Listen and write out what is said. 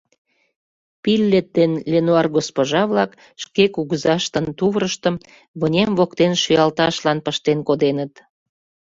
Пиллет ден Ленуар госпожа-влак шке кугызаштын тувырыштым вынем воктен шӱалташлан пыштен коденыт.